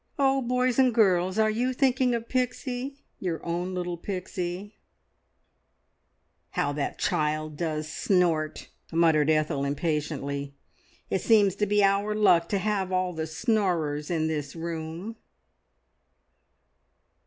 Oh, boys and girls, are you thinking of Pixie your own little Pixie? "How that child does snort!" muttered Ethel impatiently. "It seems to be our luck to have all the snorers in this room."